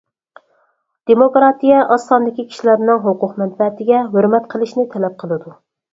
دېموكراتىيە ئاز ساندىكى كىشىلەرنىڭ ھوقۇق-مەنپەئەتىگە ھۆرمەت قىلىشنى تەلەپ قىلىدۇ.